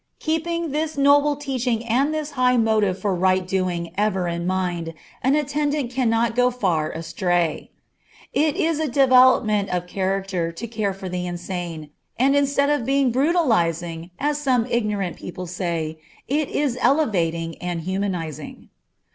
Keeping this noble teaching and this high motive for right doing ever in mind, an attendant cannot go far astray. It is a development of character to care for the insane, and instead of being brutalizing, as some ignorant people say, it is elevating and humanizing.